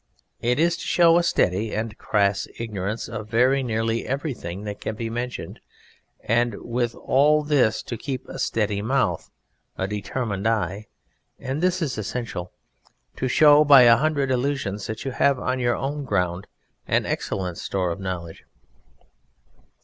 It is to show a steady and crass ignorance of very nearly everything that can be mentioned, and with all this to keep a steady mouth, a determined eye, and (this is essential) to show by a hundred allusions that you have on your own ground an excellent store of knowledge.